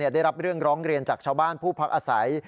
ได้รับเรื่องร้องเรียนจากชาวบ้านผู้พักอาศัย